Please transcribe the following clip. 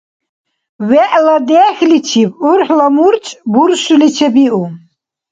ВегӀла дехьличиб урхӀла мурчӀ буршули чебиу.